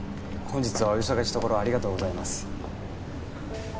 本日はお忙しいところありがとうございます